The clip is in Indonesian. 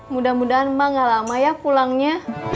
mudah mudahan ma nggak lama ya pulangnya